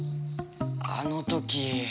あの時。